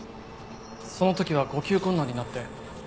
その時は呼吸困難になって。